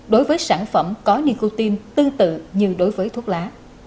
đối với sản phẩm có nicotine tương tự như đối với thuốc lá